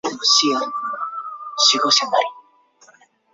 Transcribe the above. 成为了这座岛的守护者。